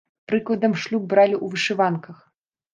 Прыкладам, шлюб бралі ў вышыванках.